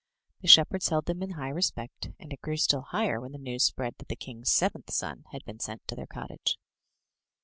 The shepherds held them in high respect, and it grew still higher when the news spread that the king's seventh son had been sent to their cottage.